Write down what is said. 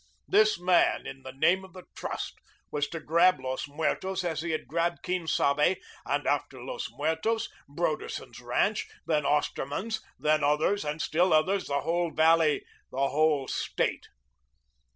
This man, in the name of the Trust, was to grab Los Muertos as he had grabbed Quien Sabe, and after Los Muertos, Broderson's ranch, then Osterman's, then others, and still others, the whole valley, the whole State.